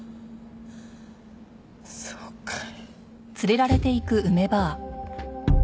そうかい。